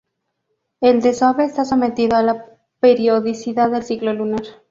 El desove está sometido a la periodicidad del ciclo lunar.